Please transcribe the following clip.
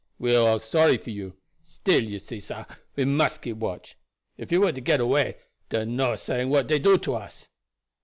We all sorry for you; still you see, sah, we must keep watch. If you were to get away, dar no saying what dey do to us."